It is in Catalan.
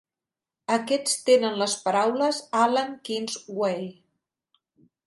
Aquests tenen les paraules Allan Kings Way.